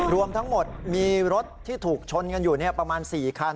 รวมทั้งหมดมีรถที่ถูกชนกันอยู่ประมาณ๔คัน